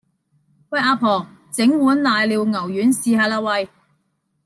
阿婆，整碗瀨尿牛丸試吓啦喂